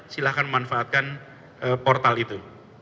silahkan memanfaatkan portal itu